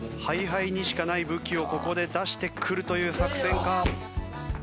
ＨｉＨｉにしかない武器をここで出してくるという作戦か？